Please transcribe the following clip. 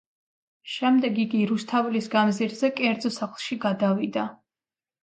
შემდეგ იგი რუსთაველის გამზირზე კერძო სახლში გადავიდა.